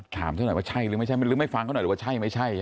ถามเขาหน่อยว่าใช่หรือไม่ใช่หรือไม่ฟังเขาหน่อยหรือว่าใช่ไม่ใช่